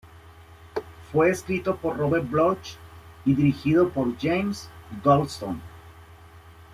Fue escrito por Robert Bloch y dirigido por James Goldstone.